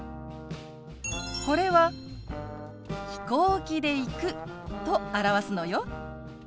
これは「飛行機で行く」と表すのよ。